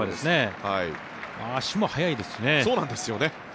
足も速いですしね。